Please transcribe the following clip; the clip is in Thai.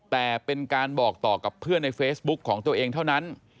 แต่เป็นการบอกต่อกับเพื่อนในเฟซบุ๊กของตัวเองเท่านั้น